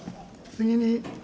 次に。